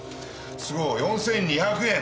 都合４２００円